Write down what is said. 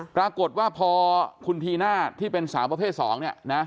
ปรากฏว่าพอคุณธีน่าที่เป็นสาวประเภท๒เนี่ยนะ